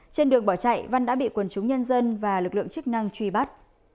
trên đường bỏ chạy văn đã bị quần chúng nhân dân và lực lượng chức năng truy bắt